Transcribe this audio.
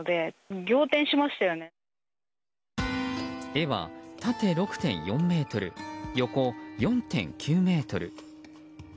絵は縦６．４ｍ、横４．９ｍ。